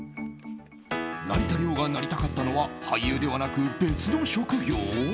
成田凌がなりたかったのは俳優ではなく別の職業？